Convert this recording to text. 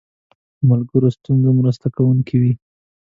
ملګری د ستونزو مرسته کوونکی وي